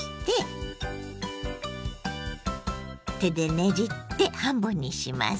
手でねじって半分にします。